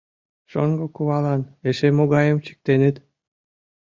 — Шоҥго кувалан эше могайым чиктеныт?